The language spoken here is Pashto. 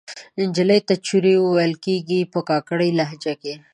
نجلۍ ته چورۍ ویل کیږي په کاکړۍ لهجه کښې